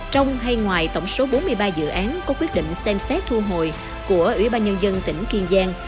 trong hay ngoài tổng số bốn mươi ba dự án có quyết định xem xét thu hồi của ủy ban nhân dân tỉnh kiên giang